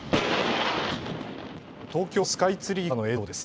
東京スカイツリーからの映像です。